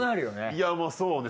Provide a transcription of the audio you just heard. いやもうそうね。